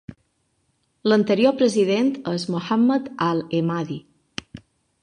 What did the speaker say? L'anterior President és Mohammed Al Emadi.